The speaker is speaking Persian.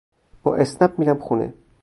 با اسنپ میرم خونه